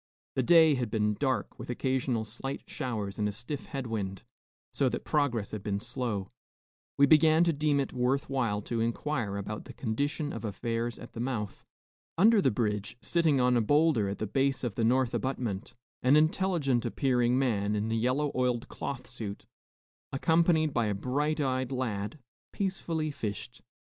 The day had been dark, with occasional slight showers and a stiff head wind, so that progress had been slow. We began to deem it worth while to inquire about the condition of affairs at the mouth. Under the bridge, sitting on a bowlder at the base of the north abutment, an intelligent appearing man in a yellow oiled cloth suit, accompanied by a bright eyed lad, peacefully fished.